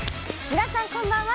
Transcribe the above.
皆さん、こんばんは。